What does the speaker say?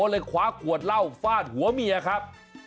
เลยคว้าขวดเหล้าฟาดหัวเมียครับ